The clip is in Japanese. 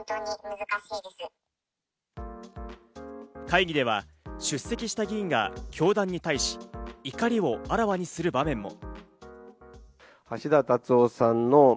会議では出席した議員が教団に対し怒りをあらわにする場面も。